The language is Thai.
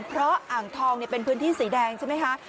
เพราะอ่างทองเป็นพื้นที่สีแดงใช่ไหมคะ